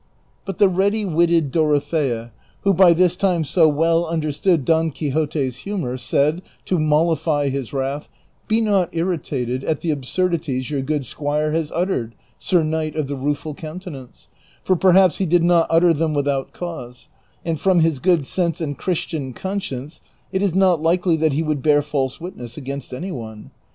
But the ready witted Dorothea, who by this time so well un derstood Don Quixote's humor, said, to mollify his wrath, " Be not irritated at the absurdities your good squire has uttered, Sir Knight of the Bueful Countenance, for perhaps he did not utter them without cause, and from his good sense and Chris tian conscience it is not likely that he would bear false witness against any one.